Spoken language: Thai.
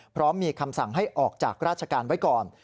พร้อมมีคำสั่งให้ออกจากราชการไว้ก่อน